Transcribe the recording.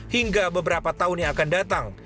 hingga beberapa tahun yang akan datang